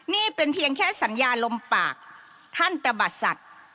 นี่เป็นเพียงแค่สัญญาลมปากท่านตะบัดสัตว์